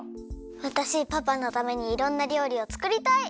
わたしパパのためにいろんなりょうりをつくりたい！